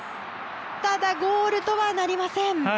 ただ、ゴールとはなりません。